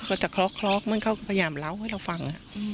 เขาก็จะคลอกเหมือนเขาก็พยายามเล่าให้เราฟัง